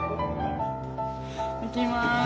いきます。